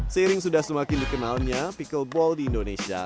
seiring sudah semakin dikenalnya pickleball di indonesia